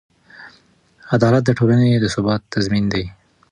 عدالت د ټولنې د ثبات تضمین دی.